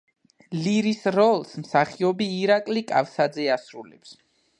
ლირის როლს მსახიობი ირაკლი კავსაძე ასრულებს.